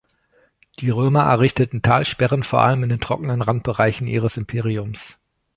Die Römer errichteten Talsperren vor allem in den trockenen Randbereichen ihres Imperiums.